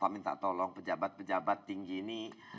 minta tolong pejabat pejabat tinggi ini